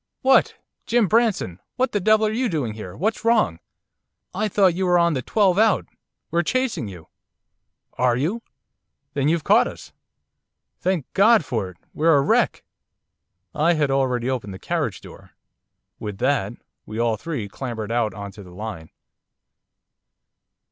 'What! Jim Branson! What the devil are you doing here, what's wrong? I thought you were on the twelve out, we're chasing you.' 'Are you? Then you've caught us. Thank God for it! We're a wreck.' I had already opened the carriage door. With that we all three clambered out on to the line.